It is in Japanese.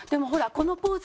このポーズ！